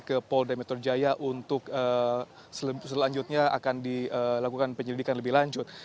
ke polda metro jaya untuk selanjutnya akan dilakukan penyelidikan lebih lanjut